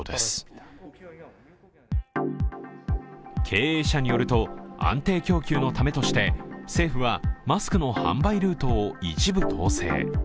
経営者によると、安定供給のためとして政府はマスクの販売ルートを一部統制。